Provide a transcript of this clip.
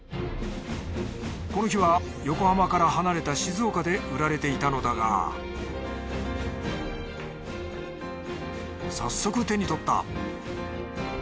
この日は横浜から離れた静岡で売られていたのだが早速手に取った。